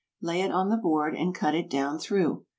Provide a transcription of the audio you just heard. Lay it on the board and cut it down through.